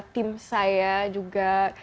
tim saya juga